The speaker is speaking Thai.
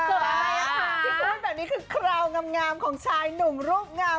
ที่พูดแบบนี้คือคราวงามของชายหนุ่มรูปงาม